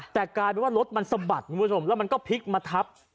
แต่กลายเป็นว่ารถมันสะบัดคุณผู้ชมแล้วมันก็พลิกมาทับ